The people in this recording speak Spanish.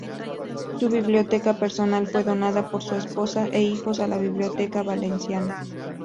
Su biblioteca personal fue donada por su esposa e hijos a la Biblioteca Valenciana.